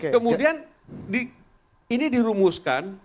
kemudian ini dirumuskan